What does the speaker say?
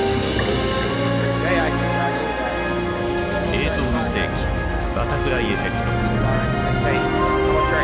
「映像の世紀バタフライエフェクト」。